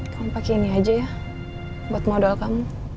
kamu pakai ini aja ya buat modal kamu